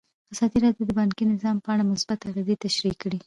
ازادي راډیو د بانکي نظام په اړه مثبت اغېزې تشریح کړي.